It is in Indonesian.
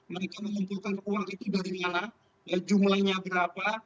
mereka mengumpulkan uang itu dari mana jumlahnya berapa